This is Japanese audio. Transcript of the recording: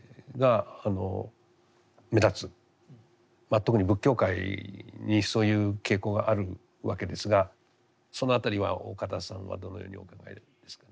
特に仏教界にそういう傾向があるわけですがその辺りは岡田さんはどのようにお考えですかね。